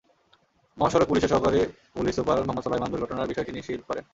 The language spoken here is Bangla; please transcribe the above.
মহাসড়ক পুলিশের সহকারী পুলিশ সুপার মোহাম্মদ সোলায়মান দুর্ঘটনার বিষয়টি নিশ্চিত করেন।